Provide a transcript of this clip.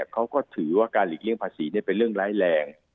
เขาก็ถือว่าการหลีกเลี่ยงภาษีเป็นเรื่องร้ายแรง